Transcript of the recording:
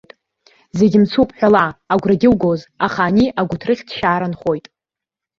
Зегьы мцуп ҳәала, агәрагьы угоз, аха ани агәыҭрыхьҭшьаара нхоит.